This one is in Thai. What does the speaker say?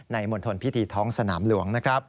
ในมณฑลพิธีท้องสนามหลวง